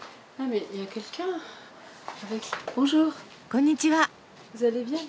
こんにちは。